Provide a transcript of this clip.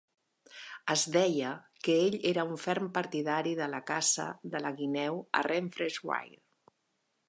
Es deia que ell era un ferm partidari de la caça de la guineu a Renfrewshire.